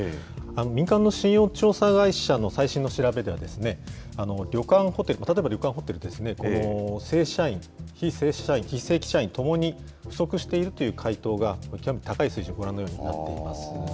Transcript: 民間の信用調査会社の最新の調べでは、旅館・ホテル、例えば旅館・ホテルですね、正社員、非正規社員ともに不足しているという回答がどちらも高い水準に、ご覧のようになっています。